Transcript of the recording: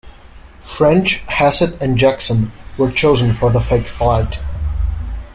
French, Hassett and Jackson were chosen for the fake flight.